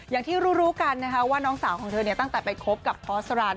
อย่างที่รู้กันนะคะว่าน้องสาวของเธอตั้งแต่ไปคบกับพอสรร